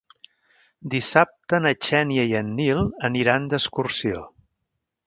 Dissabte na Xènia i en Nil aniran d'excursió.